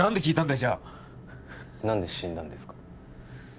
じゃあ何で死んだんですか？